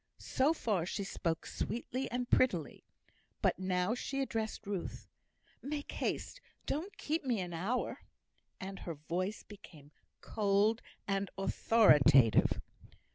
So far she spoke sweetly and prettily. But now she addressed Ruth. "Make haste. Don't keep me an hour." And her voice became cold and authoritative.